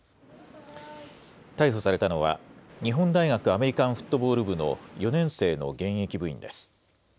逮捕されたのは日本大学アメリカンフットボール部の４年生の現役部員です。